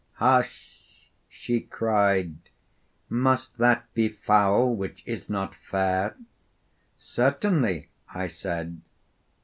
'Hush,' she cried; 'must that be foul which is not fair?' 'Certainly,' I said.